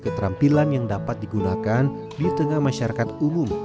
keterampilan yang dapat digunakan di tengah masyarakat umum